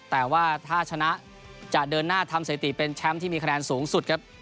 แต่ว่าถ้าชนะจะเดินหน้าทำสถิติเป็นแชมป์ที่มีคะแนนสูงสุดครับ